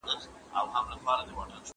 ځینې اې ای ویډیوګانې ښه کیفیت لري.